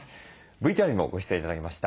ＶＴＲにもご出演頂きました